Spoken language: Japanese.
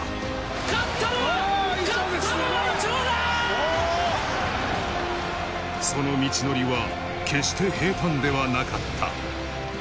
勝ったのは、その道のりは決して平たんではなかった。